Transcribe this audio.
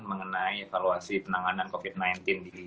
mengenai evaluasi penanganan covid sembilan belas di